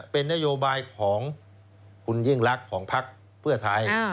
เป็นนโยบายของคุณยิ่งรักของพักเพื่อไทย